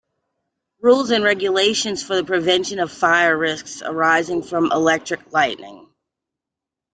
Rules and Regulations for the Prevention of Fire Risks arising from Electric Lighting.